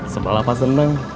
sebelah apa seneng